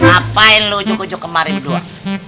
apa yang lo cukup kemarin berdua